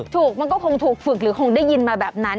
มันก็คงถูกฝึกหรือคงได้ยินมาแบบนั้น